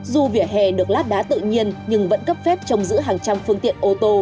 dù vỉa hè được lát đá tự nhiên nhưng vẫn cấp phép trồng giữ hàng trăm phương tiện ô tô